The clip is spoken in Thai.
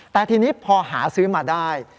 แต่ทีนี้พอหาซื้อมาได้